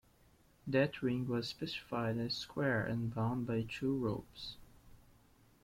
That ring was specified as square and bound by two ropes.